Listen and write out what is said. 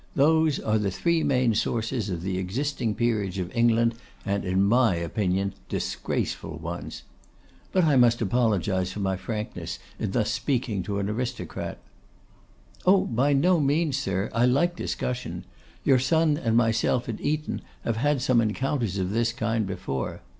Those are the three main sources of the existing peerage of England, and in my opinion disgraceful ones. But I must apologise for my frankness in thus speaking to an aristocrat.' 'Oh, by no means, sir, I like discussion. Your son and myself at Eton have had some encounters of this kind before.